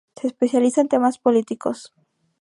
Se especializa en temas políticos.